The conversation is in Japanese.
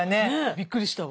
びっくりしたわ。